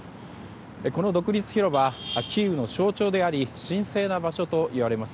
この独立広場キーウの象徴であり神聖な場所といわれます。